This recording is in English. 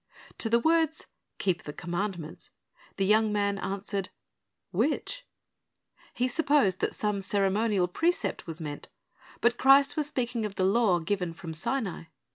To the words, "Keep the commandments," the young man answered, "Which?" He supposed that some ceremonial precept was meant; but Christ was speaking of the law given from Sinai.